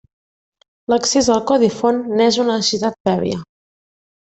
L'accés al codi font n'és una necessitat prèvia.